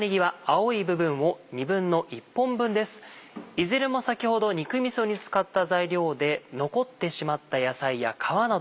いずれも先ほど肉みそに使った材料で残ってしまった野菜や皮など。